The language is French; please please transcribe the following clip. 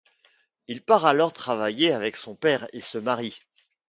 Il part alors travailler avec son père et se marie.